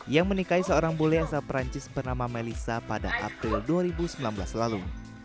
yang menikahi seorang bule asal perancis bernama melissa pada april dua ribu sembilan belas lalu